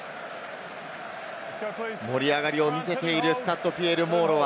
盛り上がりを見せているスタッド・ピエール・モーロイ。